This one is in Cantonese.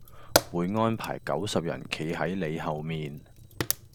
會安排九十人企喺你後面